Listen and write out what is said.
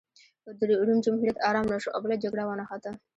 روم جمهوریت ارام نه شو او بله جګړه ونښته